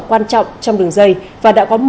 quan trọng trong đường dây và đã có